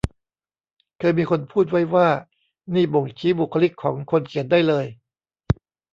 เคยมีคนพูดไว้ว่า นี่บ่งชี้บุคลิกของคนเขียนได้เลย